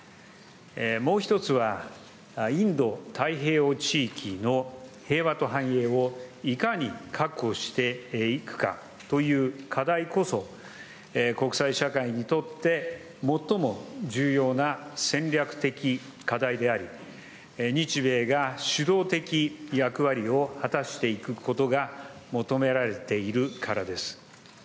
もう一つは、インド太平洋地域の平和と繁栄をいかに確保していくかという課題こそ、国際社会にとって最も重要な戦略的課題であり、日米が主導的役割を果たしていくことが求められているからです。